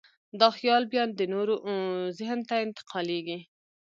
دا خیال بیا د نورو ذهن ته انتقالېږي.